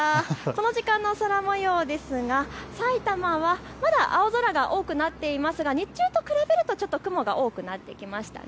この時間の空もようですが埼玉はまだ青空が多くなっていますが日中と比べると雲が多くなってきました。